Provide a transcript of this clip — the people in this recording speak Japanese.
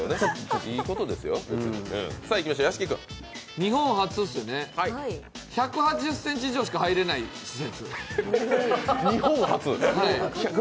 日本初ですよね、１８０ｃｍ以上しか入れない施設。